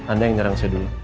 anda yang nyerang saya dulu